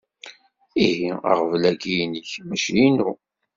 Ihi aɣbel-agi inek, mačči inu.